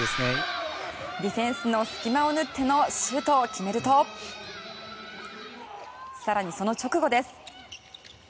ディフェンスの隙間を縫ってシュートを決めると更に、その直後です。